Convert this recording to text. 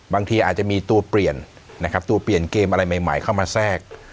บางทีอาจจะมีตัวเปลี่ยนนะครับตัวเปลี่ยนเกมอะไรใหม่เข้ามาแทรก